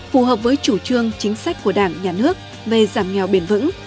phù hợp với chủ trương chính sách của đảng nhà nước về giảm nghèo bền vững